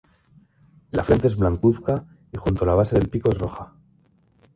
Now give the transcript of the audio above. La frente es blancuzca y junto a la base del pico es roja.